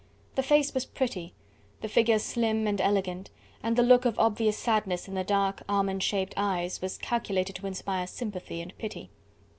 The face was pretty, the figure slim and elegant, and the look of obvious sadness in the dark, almond shaped eyes was calculated to inspire sympathy and pity.